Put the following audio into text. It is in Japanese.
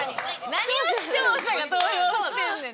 何を視聴者が投票してんねん。